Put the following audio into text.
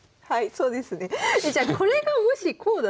そうですね。